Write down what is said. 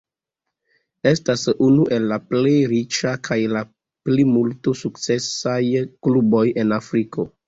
Estas unu el la plej riĉa kaj la plimulto sukcesaj kluboj en Afriko.